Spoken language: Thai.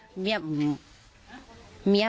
ภรรยาก็บอกว่านายทองม่วนขโมย